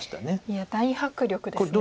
いや大迫力ですね。